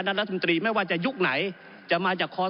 ก็ได้มีการอภิปรายในภาคของท่านประธานที่กรกครับ